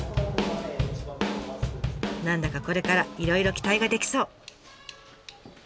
何だかこれからいろいろ期待ができそう！